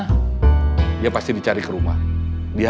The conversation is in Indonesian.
kalau enggak frustration biasanya perlu abolition